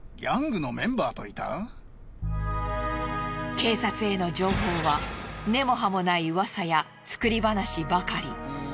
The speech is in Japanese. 警察への情報は根も葉もない噂や作り話ばかり。